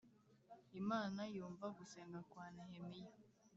Imana yumva gusenga kwa Nehemiya